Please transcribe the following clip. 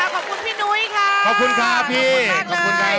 ขอบคุณแผนรับเชิญของเรานะคะขอบคุณพี่นุ้ยค่ะ